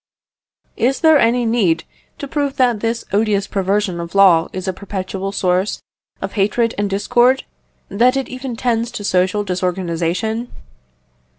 Is there any need to prove that this odious perversion of law is a perpetual source of hatred and discord, that it even tends to social disorganisation?